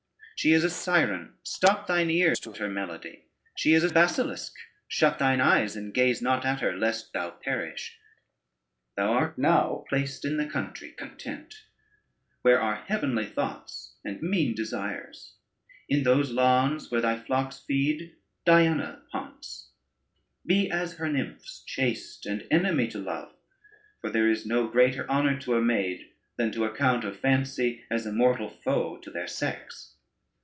She is a Siren, stop thine ears to her melody; she is a basilisk, shut thy eyes and gaze not at her lest thou perish. Thou art now placed in the country content, where are heavenly thoughts and mean desires: in those lawns where thy flocks feed, Diana haunts: be as her nymphs chaste, and enemy to love, for there is no greater honor to a maid, than to account of fancy as a mortal foe to their sex.